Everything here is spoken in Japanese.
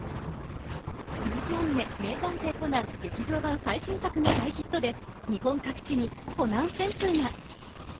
人気アニメ『名探偵コナン』劇場版最新作の大ヒットで日本各地にコナン旋風が。